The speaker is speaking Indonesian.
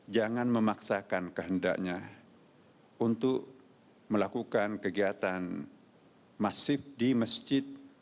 jangan memaksakan kehendaknya untuk melakukan kegiatan masif di masjid